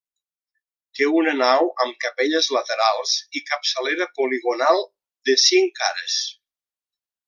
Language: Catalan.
Té una nau amb capelles laterals i capçalera poligonal de cinc cares.